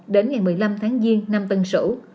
đến ngày một mươi năm tháng diên năm tân sử